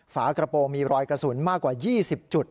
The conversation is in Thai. ฝากระโปรงมีรอยกระสุนมากกว่า๒๐จุด